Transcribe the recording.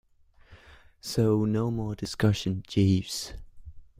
So no more discussion, Jeeves.